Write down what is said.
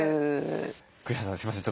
栗原さんすみません。